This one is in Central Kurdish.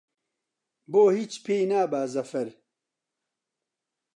بۆ هیچ پێی نابا زەفەرە